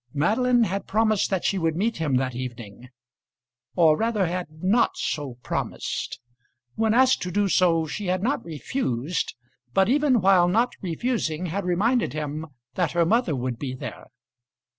Madeline had promised that she would meet him that evening; or rather had not so promised. When asked to do so she had not refused, but even while not refusing had reminded him that her mother would be there.